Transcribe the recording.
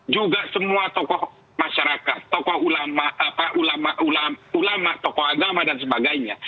juga semua tokoh masyarakat tokoh ulama tokoh agama dan sebagainya